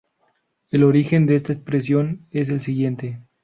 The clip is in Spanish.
El origen de esta expresión es el siguiente.